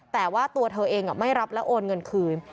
แต่ว่าตัวเธอเองไม่รับและโอนเงินคืน